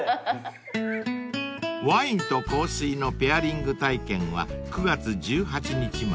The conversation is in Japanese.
［ワインと香水のペアリング体験は９月１８日まで］